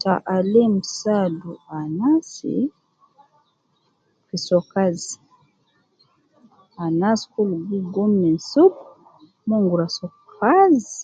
Ta alim saadu anas fi soo kazi, anas kul gi gum minsub mon gurua soo kaazzi